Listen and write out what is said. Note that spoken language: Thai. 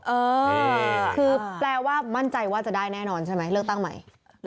เออคือแปลว่ามั่นใจว่าจะได้แน่นอนใช่ไหมเลือกตั้งใหม่